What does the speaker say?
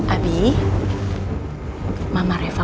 apa yakan aku ke rumah